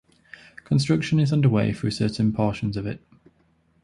Construction is underway through certain portions of it.